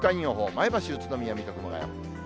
前橋、宇都宮、水戸、熊谷。